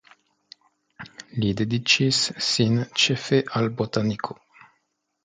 Li dediĉis sin ĉefe al botaniko.